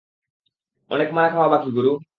অনেক মারা খাওয়া বাকী গুরু!